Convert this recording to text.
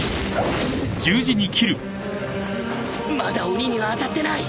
まだ鬼には当たってない！